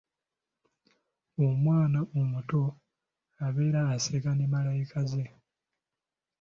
Omwana omuto abeera aseka ne malayika ze.